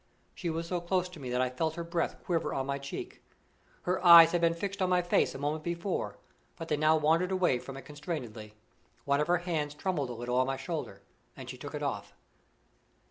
She was so close to me that I felt her breath quiver on my cheek. Her eyes had been fixed on my face a moment before, but they now wandered away from it constrainedly. One of her hands trembled a little on my shoulder, and she took it off.